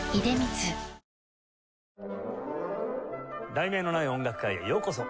『題名のない音楽会』へようこそ。